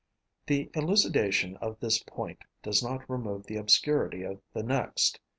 The elucidation of this point does not remove the obscurity of the next.